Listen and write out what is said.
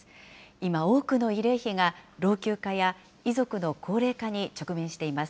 今、多くの慰霊碑が老朽化や遺族の高齢化に直面しています。